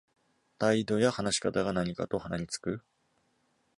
態度や話し方が何かと鼻につく